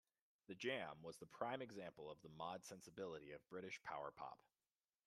The Jam was the prime example of the mod sensibility of British power pop.